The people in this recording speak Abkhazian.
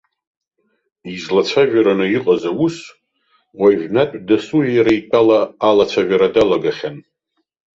Излацәажәараны иҟаз аус уажәнатә дасу иара итәала алацәажәара далагахьан.